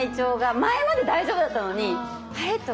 前まで大丈夫だったのにあれ？とか。